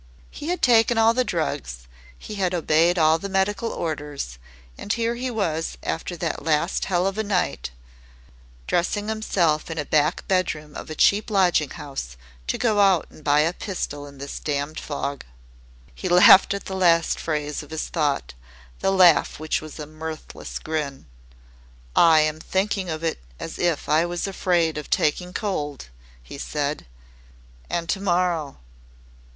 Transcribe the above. He had taken all the drugs, he had obeyed all the medical orders, and here he was after that last hell of a night dressing himself in a back bedroom of a cheap lodging house to go out and buy a pistol in this damned fog. He laughed at the last phrase of his thought, the laugh which was a mirthless grin. "I am thinking of it as if I was afraid of taking cold," he said. "And to morrow